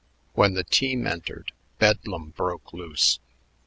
When the team entered, bedlam broke loose.